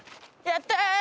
やったー！